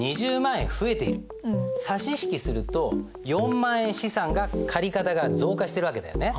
差し引きすると４万円資産が借方が増加してる訳だよね。